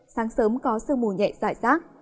sáng sớm có sương mù nhẹ giải sát